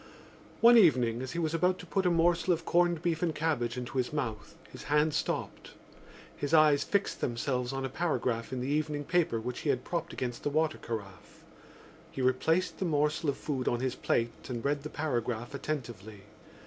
One evening as he was about to put a morsel of corned beef and cabbage into his mouth his hand stopped. His eyes fixed themselves on a paragraph in the evening paper which he had propped against the water carafe. He replaced the morsel of food on his plate and read the paragraph attentively.